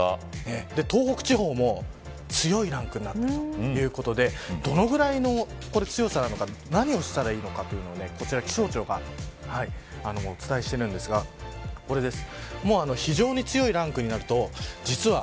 東北地方も、強いランクになっているということでどのぐらいの強さなのか何をしたらいいのかというのをこちら気象庁がお伝えしているんですがこれです。